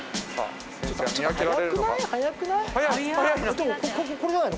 でもこれじゃないの？